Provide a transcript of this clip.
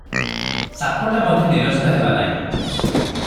ସାପଟା ମଧ୍ୟ ନିରସ୍ତ ହେଲା ନାହିଁ ।